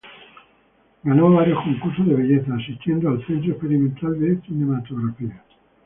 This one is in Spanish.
Ganó varios concursos de belleza, asistiendo al Centro Experimental de Cinematografía.